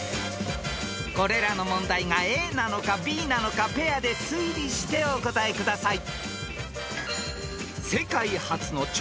［これらの問題がＡなのかＢなのかペアで推理してお答えください］